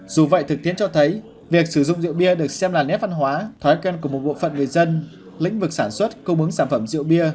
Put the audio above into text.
dù vậy thực tiến cho thấy việc sử dụng rượu bia được xem là nét văn hóa thói quen của một bộ phận người dân lĩnh vực sản xuất cung ứng sản phẩm rượu bia